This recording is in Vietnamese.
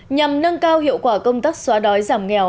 nhằm nâng cao hiệu quả công tác xóa đói giảm nghèo